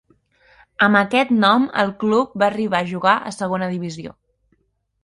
Amb aquest nom el club va arribar a jugar a Segona Divisió.